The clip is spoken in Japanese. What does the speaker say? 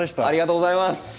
ありがとうございます。